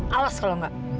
awas kalau enggak